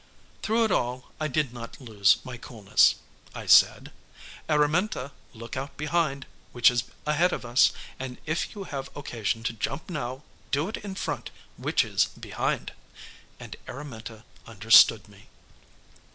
Through it all I did not lose my coolness. I said: "Araminta, look out behind, which is ahead of us, and if you have occasion to jump now, do it in front, which is behind," and Araminta understood me.